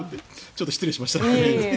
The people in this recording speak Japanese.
ちょっと失礼しました。